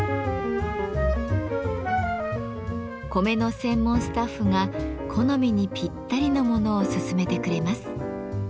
米の専門スタッフが好みにぴったりのものを勧めてくれます。